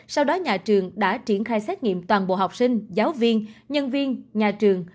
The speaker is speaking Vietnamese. sau đó nhà trường đã triển khai xét nghiệm toàn bộ học sinh giáo viên nhân viên nhà trường